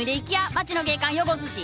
街の景観汚すし。